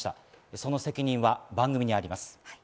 その責任は番組にあります。